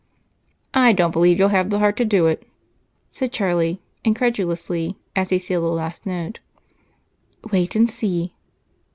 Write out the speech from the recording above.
"I don't believe you'll have the heart to do it," said Charlie incredulously as he sealed the last note. "Wait and see."